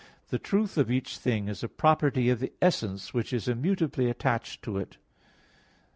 viii, 6), "The truth of each thing is a property of the essence which is immutably attached to it."